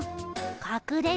かくれる？